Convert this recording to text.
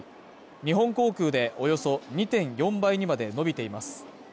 日本航空でおよそ２．４倍にまで伸びています。